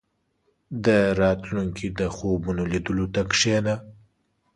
• د راتلونکي د خوبونو لیدلو ته کښېنه.